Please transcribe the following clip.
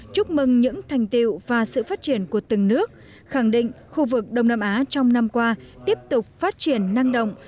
chúc mừng những thành tiệu và sự phát triển của từng nước khẳng định khu vực đông nam á trong năm qua tiếp tục phát triển năng động